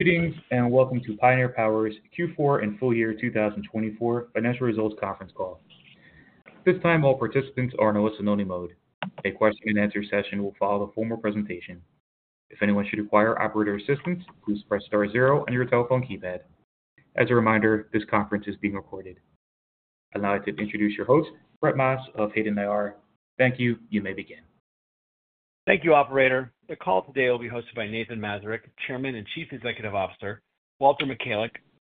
Greetings and welcome to Pioneer Power's Q4 and Full Year 2024 Financial Results conference call. At this time all participants are in a listen-only mode. A question-and-answer session will follow the formal presentation. If anyone should require operator assistance, please press star zero on your telephone keypad. As a reminder, this conference is being recorded. Allow me to introduce your host, Brett Maas of Hayden IR. Thank you. You may begin. Thank you, Operator. The call today will be hosted by Nathan Mazurek, Chairman and Chief Executive Officer; Walter Michalek,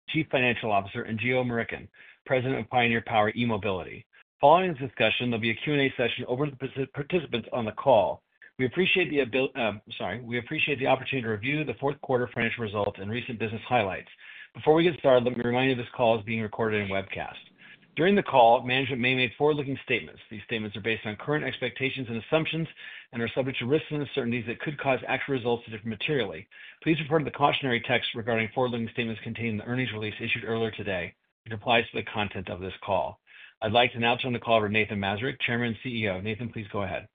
Chief Financial Officer; and Geo Murickan, President of Pioneer Power eMobility. Following this discussion, there'll be a Q&A session open to the participants on the call. We appreciate the ability—sorry, we appreciate the opportunity to review the fourth quarter financial results and recent business highlights. Before we get started, let me remind you this call is being recorded and webcast. During the call, management may make forward-looking statements. These statements are based on current expectations and assumptions and are subject to risks and uncertainties that could cause actual results to differ materially. Please refer to the cautionary text regarding forward-looking statements contained in the earnings release issued earlier today. It applies to the content of this call. I'd like to now turn the call over to Nathan Mazurek, Chairman and CEO. Nathan, please go ahead.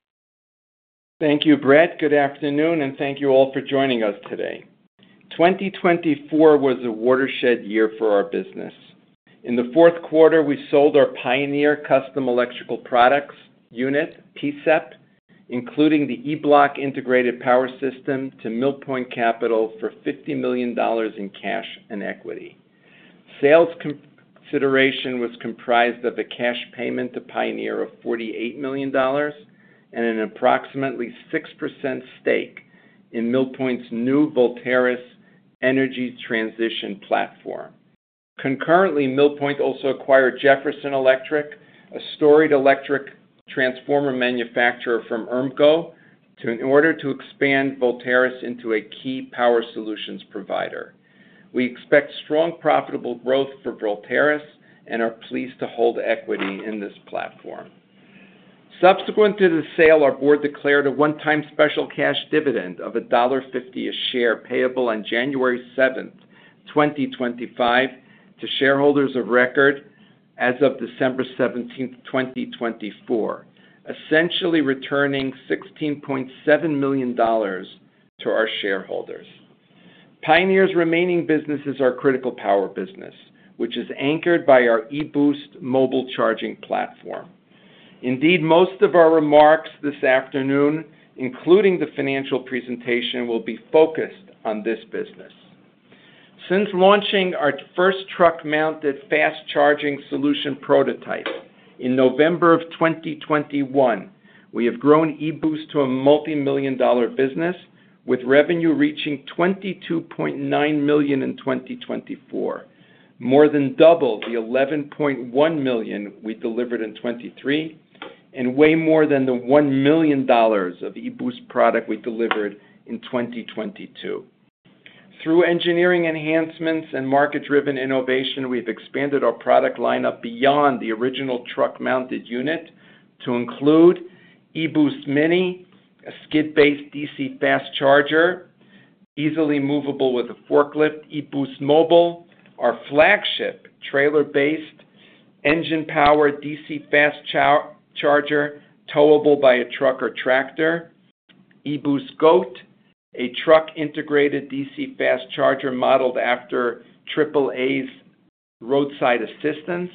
Thank you, Brett. Good afternoon, and thank you all for joining us today. 2024 was a watershed year for our business. In the fourth quarter, we sold our Pioneer Custom Electrical Products unit, PCEP, including the E-Bloc integrated power system to Mill Point Capital for $50 million in cash and equity. Sales consideration was comprised of a cash payment to Pioneer of $48 million and an approximately 6% stake in Mill Point's new Voltaris energy transition platform. Concurrently, Mill Point also acquired Jefferson Electric, a stored electric transformer manufacturer from IRMCO, in order to expand Voltaris into a key power solutions provider. We expect strong profitable growth for Voltaris and are pleased to hold equity in this platform. Subsequent to the sale, our board declared a one-time special cash dividend of $1.50 a share payable on January 7th, 2025, to shareholders of record as of December 17th, 2024, essentially returning $16.7 million to our shareholders. Pioneer's remaining business is our critical power business, which is anchored by our e-Boost Mobile Charging platform. Indeed, most of our remarks this afternoon, including the financial presentation, will be focused on this business. Since launching our first truck-mounted fast charging solution prototype in November of 2021, we have grown e-Boost to a multi-million dollar business with revenue reaching $22.9 million in 2024, more than double the $11.1 million we delivered in 2023, and way more than the $1 million of e-Boost product we delivered in 2022. Through engineering enhancements and market-driven innovation, we've expanded our product lineup beyond the original truck-mounted unit to include e-Boost Mini, a skid-based DC fast charger, easily movable with a forklift, e-Boost Mobile, our flagship trailer-based engine-powered DC fast charger, towable by a truck or tractor, e-Boost Goat, a truck-integrated DC fast charger modeled after AAA's roadside assistance,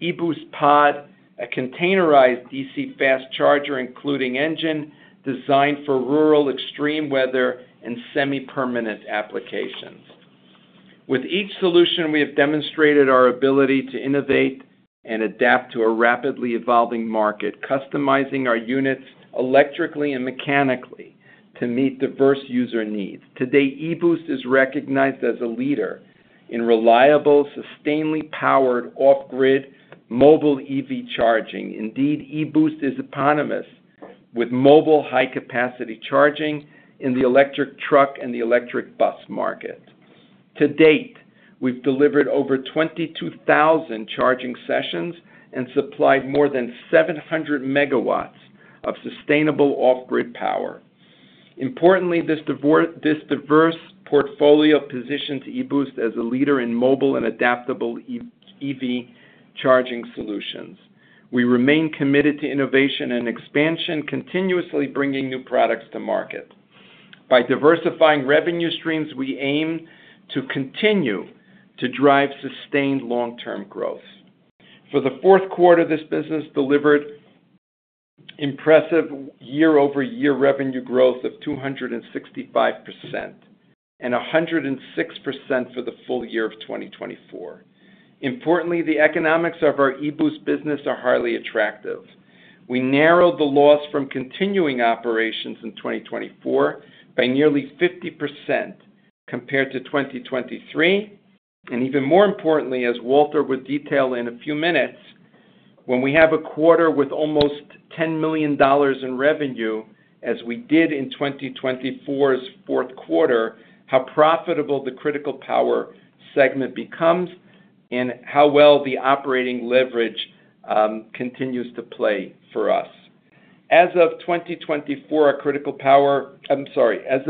e-Boost Pod, a containerized DC fast charger including engine designed for rural extreme weather and semi-permanent applications. With each solution, we have demonstrated our ability to innovate and adapt to a rapidly evolving market, customizing our units electrically and mechanically to meet diverse user needs. Today, e-Boost is recognized as a leader in reliable, sustainably powered off-grid mobile EV charging. Indeed, e-Boost is eponymous with mobile high-capacity charging in the electric truck and the electric bus market. To date, we've delivered over 22,000 charging sessions and supplied more than 700 megawatts of sustainable off-grid power. Importantly, this diverse portfolio positions e-Boost as a leader in mobile and adaptable EV charging solutions. We remain committed to innovation and expansion, continuously bringing new products to market. By diversifying revenue streams, we aim to continue to drive sustained long-term growth. For the fourth quarter, this business delivered impressive year-over-year revenue growth of 265% and 106% for the full year of 2024. Importantly, the economics of our e-Boost business are highly attractive. We narrowed the loss from continuing operations in 2024 by nearly 50% compared to 2023. Even more importantly, as Walter would detail in a few minutes, when we have a quarter with almost $10 million in revenue, as we did in 2024's fourth quarter, how profitable the critical power segment becomes and how well the operating leverage continues to play for us. As of 2024, our critical power—I'm sorry. As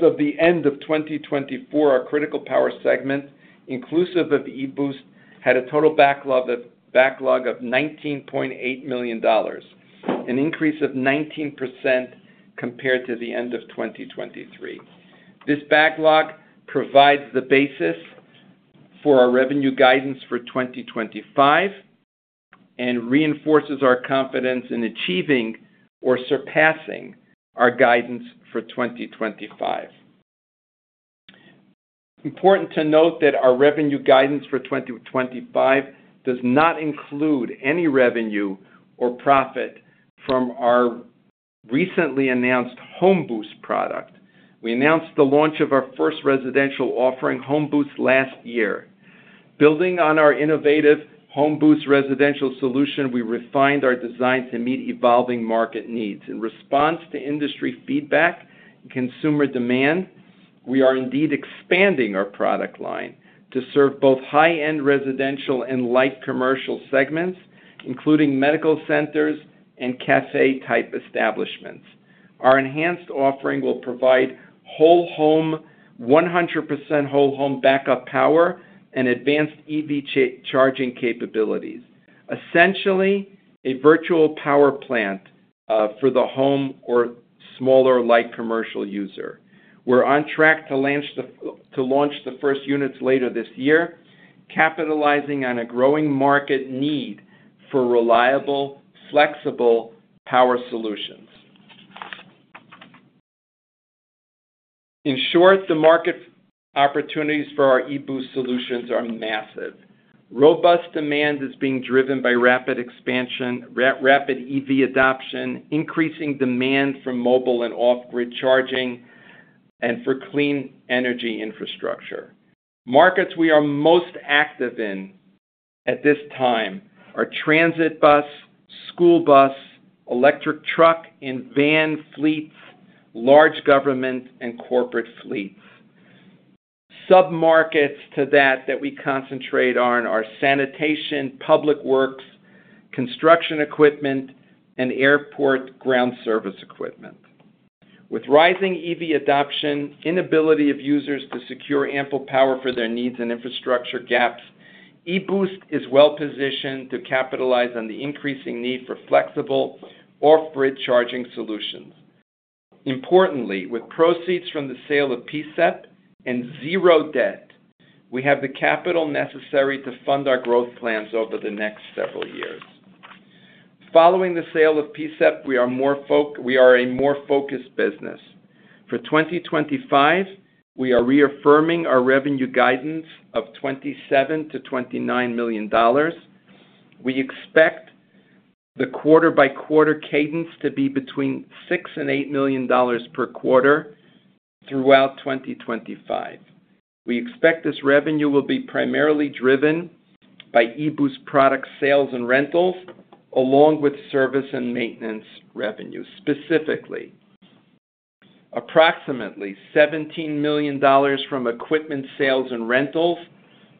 of the end of 2024, our critical power segment, inclusive of e-Boost, had a total backlog of $19.8 million, an increase of 19% compared to the end of 2023. This backlog provides the basis for our revenue guidance for 2025 and reinforces our confidence in achieving or surpassing our guidance for 2025. Important to note that our revenue guidance for 2025 does not include any revenue or profit from our recently announced HOMe-Boost product. We announced the launch of our first residential offering, HOMe-Boost, last year. Building on our innovative HOMe-Boost residential solution, we refined our design to meet evolving market needs. In response to industry feedback and consumer demand, we are indeed expanding our product line to serve both high-end residential and light commercial segments, including medical centers and café-type establishments. Our enhanced offering will provide 100% whole-home backup power and advanced EV charging capabilities, essentially a virtual power plant for the home or smaller light commercial user. We're on track to launch the first units later this year, capitalizing on a growing market need for reliable, flexible power solutions. In short, the market opportunities for our e-Boost solutions are massive. Robust demand is being driven by rapid EV adoption, increasing demand for mobile and off-grid charging, and for clean energy infrastructure. Markets we are most active in at this time are transit bus, school bus, electric truck, and van fleets, large government, and corporate fleets. Sub-markets to that that we concentrate on are sanitation, public works, construction equipment, and airport ground service equipment. With rising EV adoption, inability of users to secure ample power for their needs and infrastructure gaps, e-Boost is well positioned to capitalize on the increasing need for flexible off-grid charging solutions. Importantly, with proceeds from the sale of PCEP and zero debt, we have the capital necessary to fund our growth plans over the next several years. Following the sale of PCEP, we are a more focused business. For 2025, we are reaffirming our revenue guidance of $27-$29 million. We expect the quarter-by-quarter cadence to be between $6-$8 million per quarter throughout 2025. We expect this revenue will be primarily driven by e-Boost product sales and rentals, along with service and maintenance revenues. Specifically, approximately $17 million from equipment sales and rentals,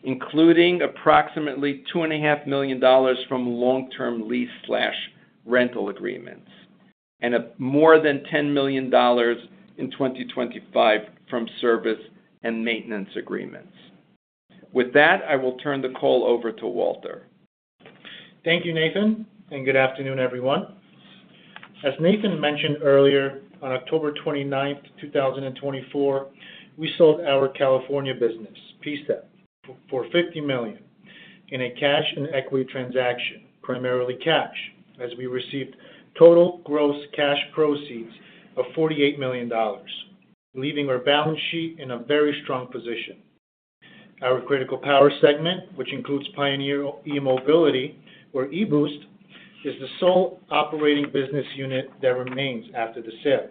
including approximately $2.5 million from long-term lease/rental agreements, and more than $10 million in 2025 from service and maintenance agreements. With that, I will turn the call over to Walter. Thank you, Nathan, and good afternoon, everyone. As Nathan mentioned earlier, on October 29, 2024, we sold our California business, PCEP, for $50 million in a cash and equity transaction, primarily cash, as we received total gross cash proceeds of $48 million, leaving our balance sheet in a very strong position. Our critical power segment, which includes Pioneer eMobility or e-Boost, is the sole operating business unit that remains after the sale.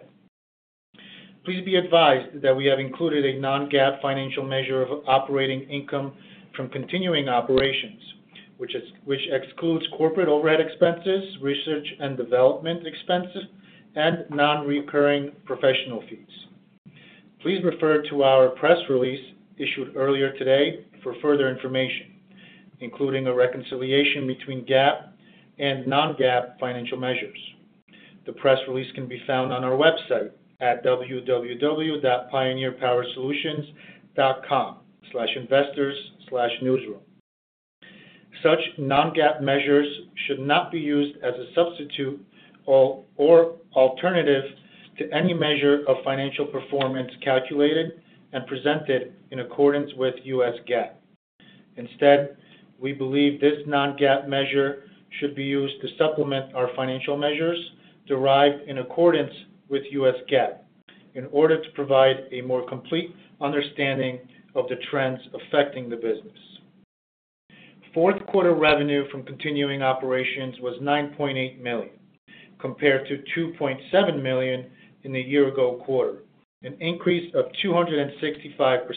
Please be advised that we have included a non-GAAP financial measure of operating income from continuing operations, which excludes corporate overhead expenses, research and development expenses, and non-recurring professional fees. Please refer to our press release issued earlier today for further information, including a reconciliation between GAAP and non-GAAP financial measures. The press release can be found on our website at www.pioneerpowersolutions.com/investors/newsroom. Such non-GAAP measures should not be used as a substitute or alternative to any measure of financial performance calculated and presented in accordance with US GAAP. Instead, we believe this non-GAAP measure should be used to supplement our financial measures derived in accordance with US GAAP in order to provide a more complete understanding of the trends affecting the business. Fourth quarter revenue from continuing operations was $9.8 million compared to $2.7 million in the year-ago quarter, an increase of 265%.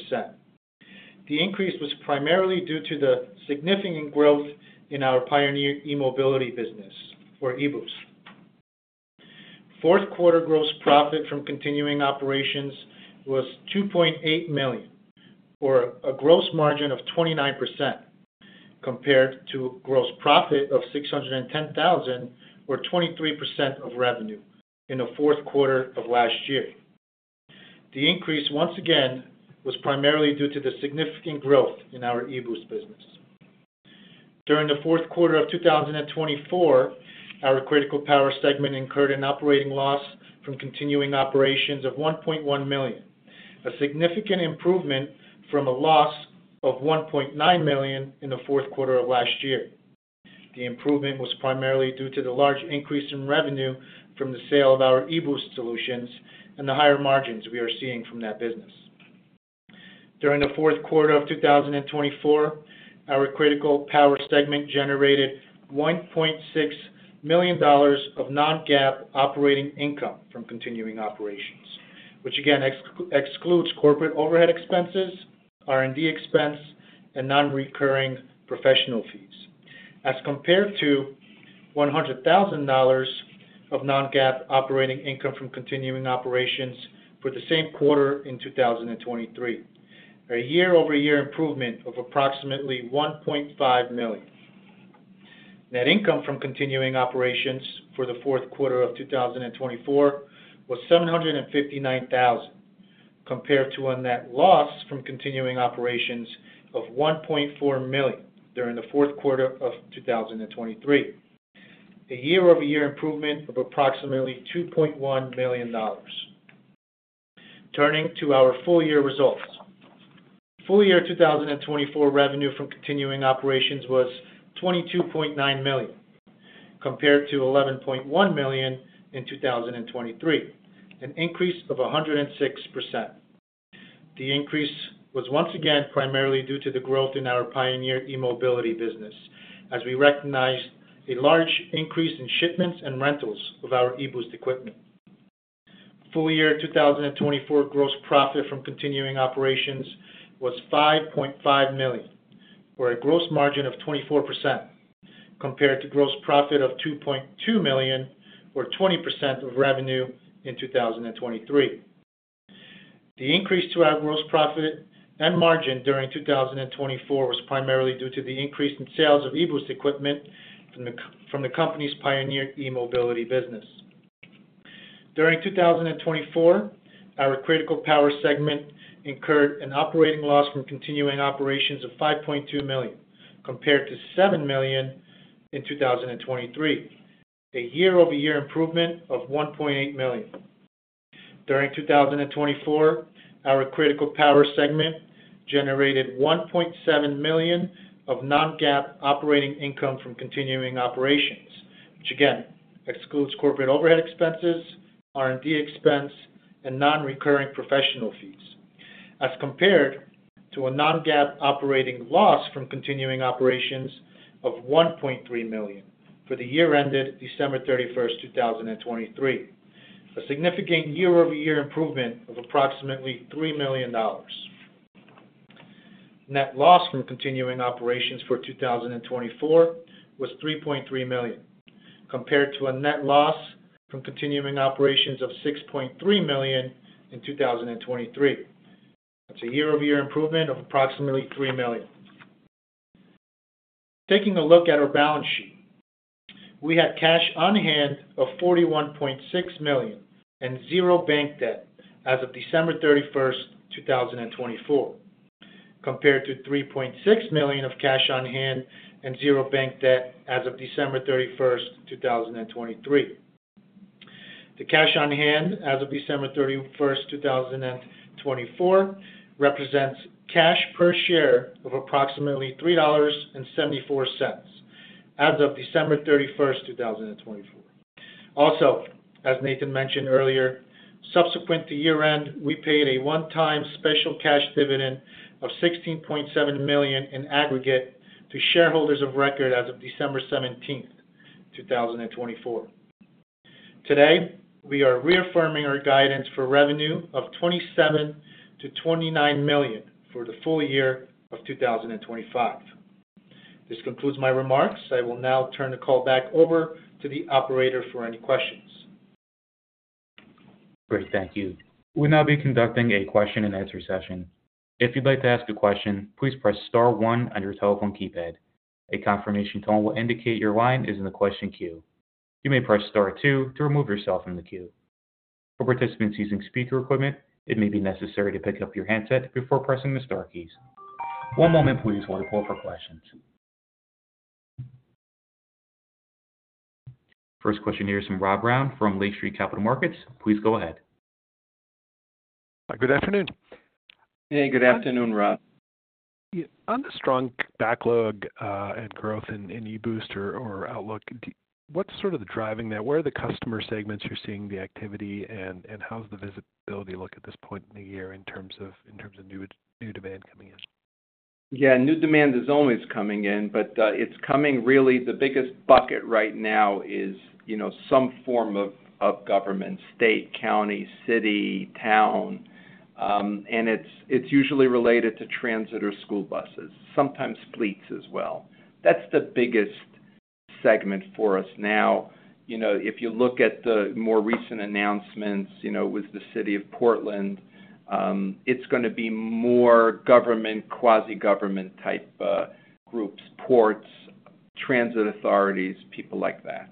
The increase was primarily due to the significant growth in our Pioneer eMobility business or e-Boost. Fourth quarter gross profit from continuing operations was $2.8 million or a gross margin of 29% compared to gross profit of $610,000 or 23% of revenue in the fourth quarter of last year. The increase, once again, was primarily due to the significant growth in our e-Boost business. During the fourth quarter of 2024, our critical power segment incurred an operating loss from continuing operations of $1.1 million, a significant improvement from a loss of $1.9 million in the fourth quarter of last year. The improvement was primarily due to the large increase in revenue from the sale of our e-Boost solutions and the higher margins we are seeing from that business. During the fourth quarter of 2024, our critical power segment generated $1.6 million of non-GAAP operating income from continuing operations, which again excludes corporate overhead expenses, R&D expense, and non-recurring professional fees, as compared to $100,000 of non-GAAP operating income from continuing operations for the same quarter in 2023, a year-over-year improvement of approximately $1.5 million. Net income from continuing operations for the fourth quarter of 2024 was $759,000, compared to a net loss from continuing operations of $1.4 million during the fourth quarter of 2023, a year-over-year improvement of approximately $2.1 million. Turning to our full-year results, full-year 2024 revenue from continuing operations was $22.9 million compared to $11.1 million in 2023, an increase of 106%. The increase was once again primarily due to the growth in our Pioneer eMobility business, as we recognized a large increase in shipments and rentals of our e-Boost equipment. Full-year 2024 gross profit from continuing operations was $5.5 million, or a gross margin of 24%, compared to gross profit of $2.2 million, or 20% of revenue in 2023. The increase to our gross profit and margin during 2024 was primarily due to the increase in sales of e-Boost equipment from the company's Pioneer eMobility business. During 2024, our critical power segment incurred an operating loss from continuing operations of $5.2 million, compared to $7 million in 2023, a year-over-year improvement of $1.8 million. During 2024, our critical power segment generated $1.7 million of non-GAAP operating income from continuing operations, which again excludes corporate overhead expenses, R&D expense, and non-recurring professional fees, as compared to a non-GAAP operating loss from continuing operations of $1.3 million for the year ended December 31, 2023, a significant year-over-year improvement of approximately $3 million. Net loss from continuing operations for 2024 was $3.3 million, compared to a net loss from continuing operations of $6.3 million in 2023. That's a year-over-year improvement of approximately $3 million. Taking a look at our balance sheet, we had cash on hand of $41.6 million and zero bank debt as of December 31, 2024, compared to $3.6 million of cash on hand and zero bank debt as of December 31, 2023. The cash on hand as of December 31, 2024, represents cash per share of approximately $3.74 as of December 31, 2024. Also, as Nathan mentioned earlier, subsequent to year-end, we paid a one-time special cash dividend of $16.7 million in aggregate to shareholders of record as of December 17, 2024. Today, we are reaffirming our guidance for revenue of $27 million-$29 million for the full year of 2025. This concludes my remarks. I will now turn the call back over to the operator for any questions. Great. Thank you. We'll now be conducting a question-and-answer session. If you'd like to ask a question, please press Star 1 on your telephone keypad. A confirmation tone will indicate your line is in the question queue. You may press Star 2 to remove yourself from the queue. For participants using speaker equipment, it may be necessary to pick up your handset before pressing the Star keys. One moment, please, while we pull up our questions. First question here is from Rob Brown from Lake Street Capital Markets. Please go ahead. Good afternoon. Hey, good afternoon, Rob. On the strong backlog and growth in e-Boost or outlook, what's sort of the driving that? Where are the customer segments you're seeing the activity, and how's the visibility look at this point in the year in terms of new demand coming in? Yeah, new demand is always coming in, but it's coming really the biggest bucket right now is some form of government: state, county, city, town. It's usually related to transit or school buses, sometimes fleets as well. That's the biggest segment for us now. If you look at the more recent announcements with the City of Portland, it's going to be more government, quasi-government-type groups: ports, transit authorities, people like that.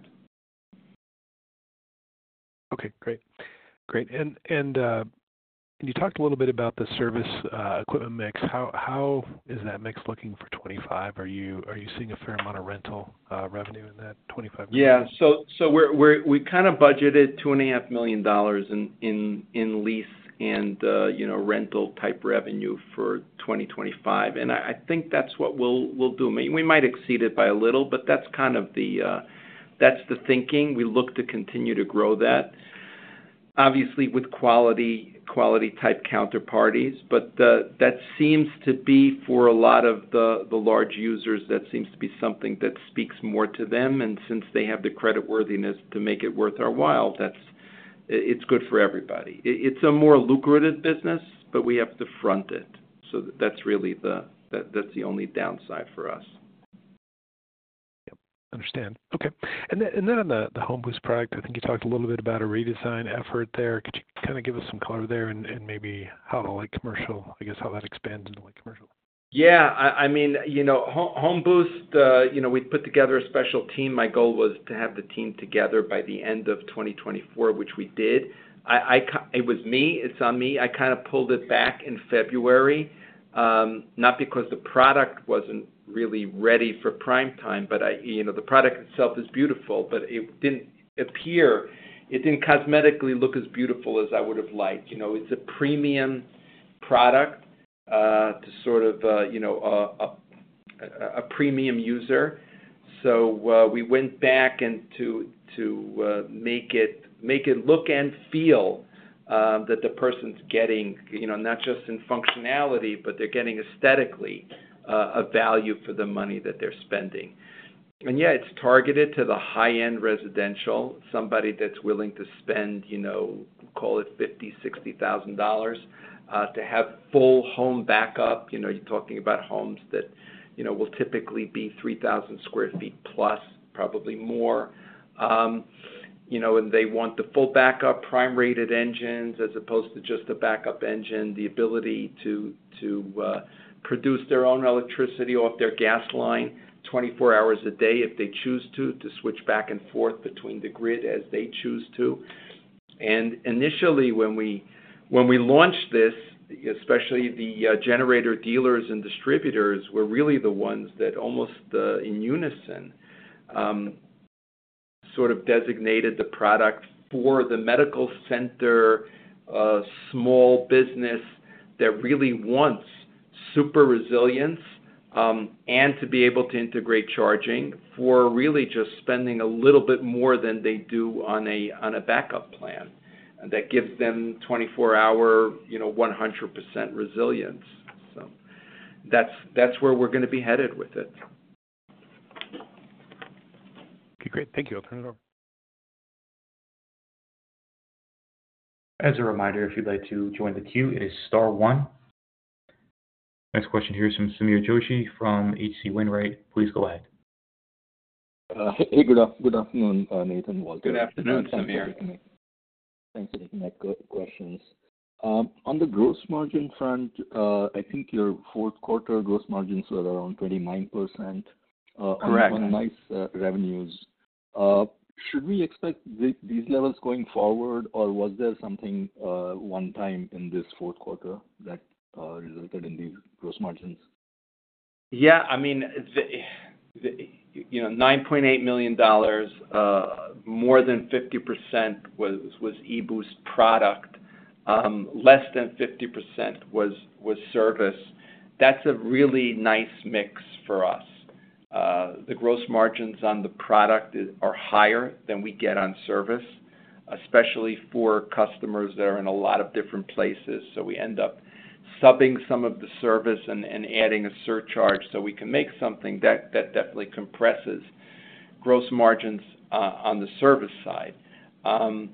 Okay. Great. Great. You talked a little bit about the service equipment mix. How is that mix looking for 2025? Are you seeing a fair amount of rental revenue in that 2025 mix? Yeah. We kind of budgeted $2.5 million in lease and rental-type revenue for 2025. I think that's what we'll do. We might exceed it by a little, but that's kind of the thinking. We look to continue to grow that, obviously, with quality-type counterparties. That seems to be, for a lot of the large users, something that speaks more to them. Since they have the creditworthiness to make it worth our while, it's good for everybody. It's a more lucrative business, but we have to front it. That's really the only downside for us. Yep. Understand. Okay. On the HOMe-Boost product, I think you talked a little bit about a redesign effort there. Could you kind of give us some color there and maybe how the commercial, I guess, how that expands into commercial? Yeah. I mean, HOMe-Boost, we'd put together a special team. My goal was to have the team together by the end of 2024, which we did. It was me. It's on me. I kind of pulled it back in February, not because the product wasn't really ready for prime time, but the product itself is beautiful, but it didn't appear. It didn't cosmetically look as beautiful as I would have liked. It's a premium product to sort of a premium user. We went back to make it look and feel that the person's getting not just in functionality, but they're getting aesthetically a value for the money that they're spending. Yeah, it's targeted to the high-end residential, somebody that's willing to spend, call it $50,000-$60,000 to have full home backup. You're talking about homes that will typically be 3,000 sq ft plus, probably more. They want the full backup prime-rated engines as opposed to just a backup engine, the ability to produce their own electricity off their gas line 24 hours a day if they choose to, to switch back and forth between the grid as they choose to. Initially, when we launched this, especially the generator dealers and distributors were really the ones that almost in unison sort of designated the product for the medical center, small business that really wants super resilience and to be able to integrate charging for really just spending a little bit more than they do on a backup plan that gives them 24-hour, 100% resilience. That is where we are going to be headed with it. Okay. Great. Thank you. I'll turn it over. As a reminder, if you'd like to join the queue, it is Star 1. Next question here is from Sameer Joshi from HC Wainwright. Please go ahead. Hey, good afternoon, Nathan, Walter. Good afternoon, Samir. Thanks for taking my questions. On the gross margin front, I think your fourth quarter gross margins were around 29%. Correct. On nice revenues. Should we expect these levels going forward, or was there something one time in this fourth quarter that resulted in these gross margins? Yeah. I mean, $9.8 million, more than 50% was e-Boost product, less than 50% was service. That's a really nice mix for us. The gross margins on the product are higher than we get on service, especially for customers that are in a lot of different places. We end up subbing some of the service and adding a surcharge so we can make something that definitely compresses gross margins on the service side. When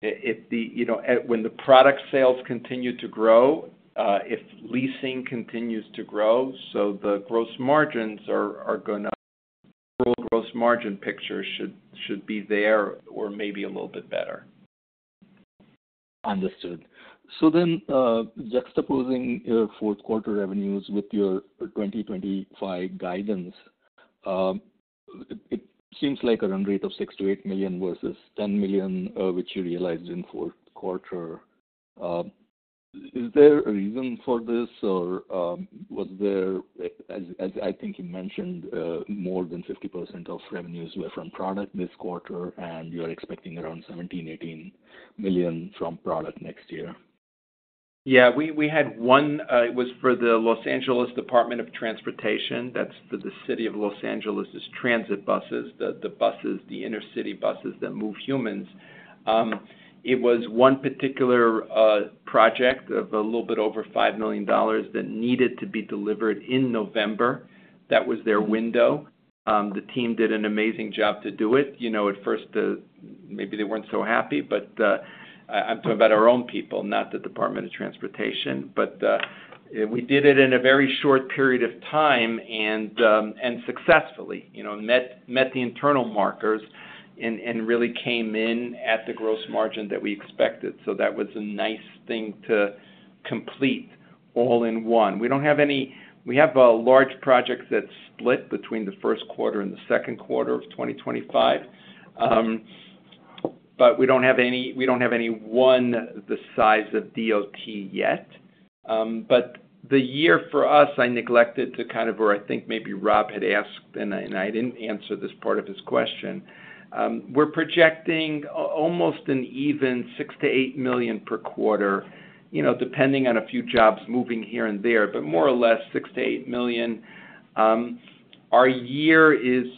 the product sales continue to grow, if leasing continues to grow, the gross margins are going to—the overall gross margin picture should be there or maybe a little bit better. Understood. So then juxtaposing your fourth quarter revenues with your 2025 guidance, it seems like a run rate of $6 million-$8 million versus $10 million, which you realized in fourth quarter. Is there a reason for this, or was there, as I think you mentioned, more than 50% of revenues were from product this quarter, and you're expecting around $17 million-$18 million from product next year? Yeah. We had one. It was for the Los Angeles Department of Transportation. That's the City of Los Angeles' transit buses, the buses, the inner city buses that move humans. It was one particular project of a little bit over $5 million that needed to be delivered in November. That was their window. The team did an amazing job to do it. At first, maybe they were not so happy, but I'm talking about our own people, not the Department of Transportation. We did it in a very short period of time and successfully met the internal markers and really came in at the gross margin that we expected. That was a nice thing to complete all in one. We do not have any—we have large projects that split between the first quarter and the second quarter of 2025, but we do not have any—we do not have any one the size of DOT yet. The year for us, I neglected to kind of—or I think maybe Rob had asked, and I did not answer this part of his question. We are projecting almost an even $6 million-$8 million per quarter, depending on a few jobs moving here and there, but more or less $6 million-$8 million. Our year is,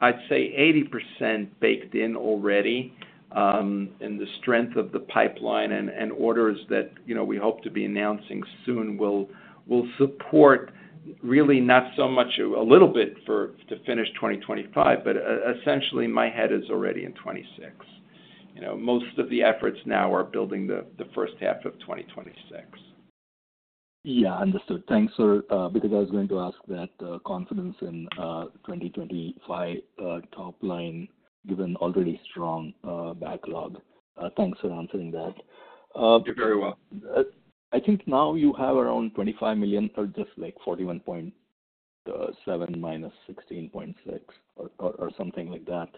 I would say, 80% baked in already, and the strength of the pipeline and orders that we hope to be announcing soon will support really not so much a little bit to finish 2025, but essentially, my head is already in 2026. Most of the efforts now are building the first half of 2026. Yeah. Understood. Thanks for—because I was going to ask that confidence in 2025 top line, given already strong backlog. Thanks for answering that. You're very welcome. I think now you have around $25 million or just like $41.7 million minus $16.6 million or something like that.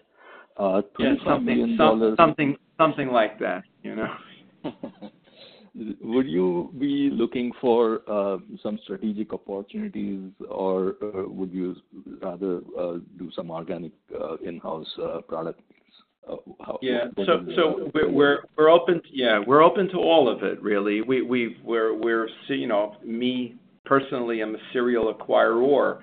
Yeah, something like that. Something like that. Would you be looking for some strategic opportunities, or would you rather do some organic in-house product? Yeah. So we're open to—yeah, we're open to all of it, really. We're—me, personally, I'm a serial acquirer.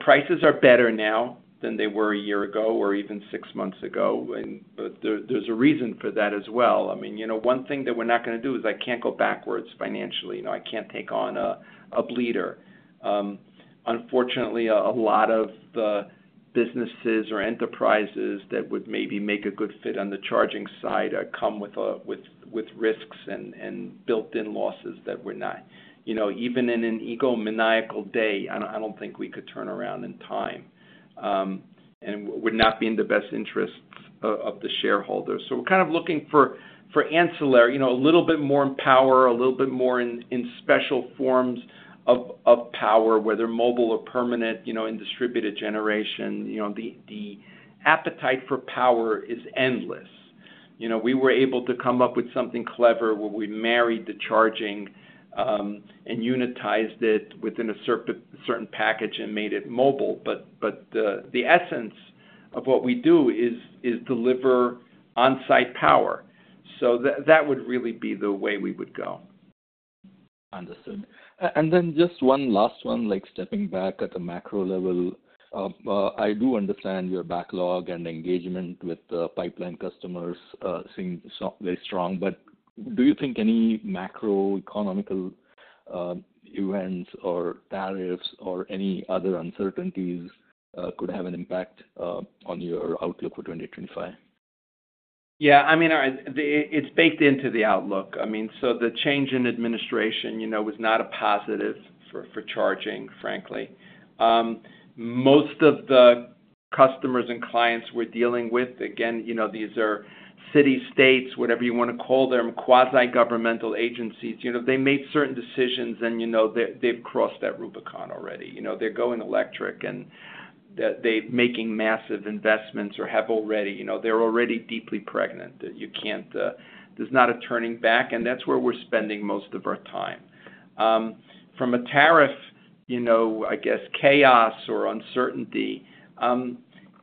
Prices are better now than they were a year ago or even six months ago, but there's a reason for that as well. I mean, one thing that we're not going to do is I can't go backwards financially. I can't take on a bleeder. Unfortunately, a lot of the businesses or enterprises that would maybe make a good fit on the charging side come with risks and built-in losses that we're not—even in an egomaniacal day, I don't think we could turn around in time and would not be in the best interests of the shareholders. So we're kind of looking for ancillary, a little bit more in power, a little bit more in special forms of power, whether mobile or permanent, in distributed generation. The appetite for power is endless. We were able to come up with something clever where we married the charging and unitized it within a certain package and made it mobile. The essence of what we do is deliver on-site power. That would really be the way we would go. Understood. And then just one last one, stepping back at the macro level. I do understand your backlog and engagement with the pipeline customers seem very strong, but do you think any macroeconomical events or tariffs or any other uncertainties could have an impact on your outlook for 2025? Yeah. I mean, it's baked into the outlook. I mean, the change in administration was not a positive for charging, frankly. Most of the customers and clients we're dealing with, again, these are city-states, whatever you want to call them, quasi-governmental agencies. They made certain decisions, and they've crossed that Rubicon already. They're going electric, and they're making massive investments or have already. They're already deeply pregnant. There's not a turning back, and that's where we're spending most of our time. From a tariff, I guess, chaos or uncertainty,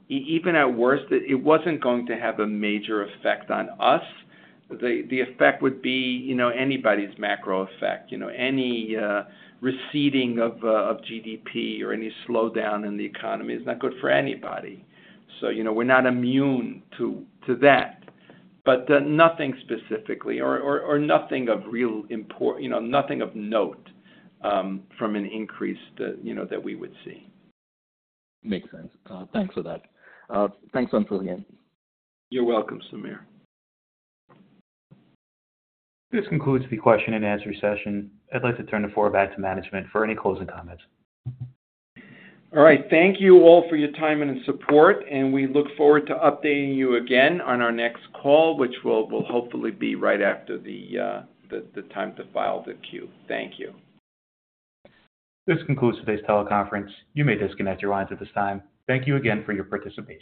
even at worst, it wasn't going to have a major effect on us. The effect would be anybody's macro effect. Any receding of GDP or any slowdown in the economy is not good for anybody. We're not immune to that, but nothing specifically or nothing of real importance, nothing of note from an increase that we would see. Makes sense. Thanks for that. Thanks once again. You're welcome, Sameer. This concludes the question-and-answer session. I'd like to turn the floor back to management for any closing comments. All right. Thank you all for your time and support, and we look forward to updating you again on our next call, which will hopefully be right after the time to file the Q. Thank you. This concludes today's teleconference. You may disconnect your lines at this time. Thank you again for your participation.